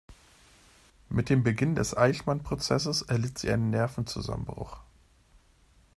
Mit Beginn des Eichmann-Prozesses erlitt sie einen Nervenzusammenbruch.